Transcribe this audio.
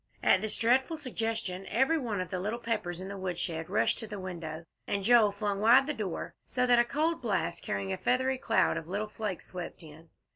At this dreadful suggestion, every one of the little Peppers in the woodshed rushed to the window, and Joel flung wide the door, so that a cold blast, carrying a feathery cloud of little flakes, swept in.